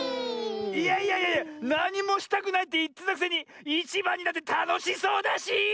いやいやいやなにもしたくないっていってたくせにいちばんになってたのしそうだし！